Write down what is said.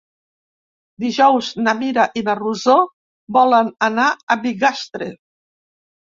Dijous na Mira i na Rosó volen anar a Bigastre.